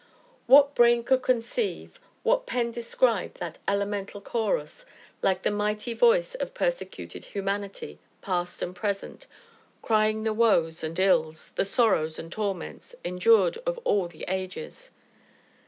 What brain could conceive what pen describe that elemental chorus, like the mighty voice of persecuted Humanity, past and present, crying the woes and ills, the sorrows and torments, endured of all the ages?